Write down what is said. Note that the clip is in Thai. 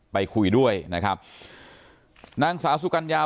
ไปคุยด้วยนะครับนางสาวสุกัญญา